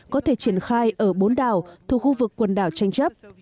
có thể triển khai ở bốn đảo thuộc khu vực quần đảo tranh chấp